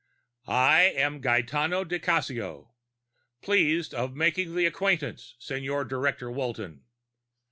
"I am Gaetano di Cassio. Pleased of making the acquaintance, Signor Director Walton.